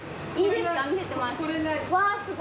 いいですか？